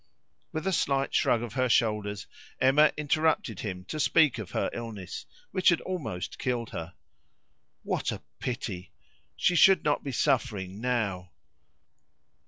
With a slight shrug of her shoulders, Emma interrupted him to speak of her illness, which had almost killed her. What a pity! She should not be suffering now!